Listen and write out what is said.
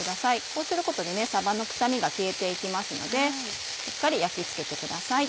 こうすることでさばの臭みが消えて行きますのでしっかり焼きつけてください。